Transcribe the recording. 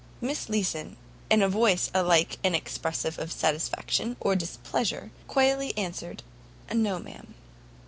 Miss Leeson, in a voice alike inexpressive of satisfaction or displeasure, quietly answered, "No, ma'am."